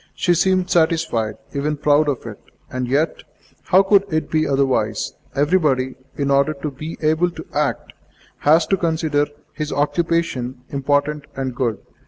She seemed satisfied, even proud of it. And, yet, how could it be otherwise? Everybody, in order to be able to act, has to consider his occupation important and good.